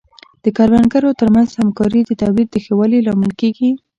د کروندګرو ترمنځ همکاري د تولید د ښه والي لامل کیږي.